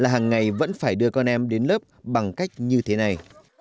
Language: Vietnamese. hàng ngày vẫn phải đưa con em đến lớp bằng cách như thế này